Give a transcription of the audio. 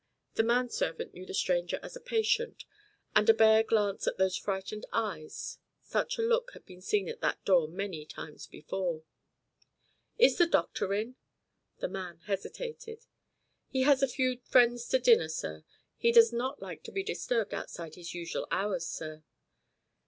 The man servant knew the stranger as a patient at a bare glance at those frightened eyes. Such a look had been seen at that door many times before. "Is the doctor in?" The man hesitated. "He has had a few friends to dinner, sir. He does not like to be disturbed outside his usual hours, sir."